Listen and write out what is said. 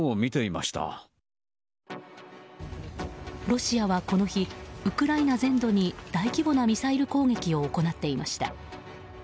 ロシアはこの日ウクライナ全土に大規模なミサイル攻撃を行っていました。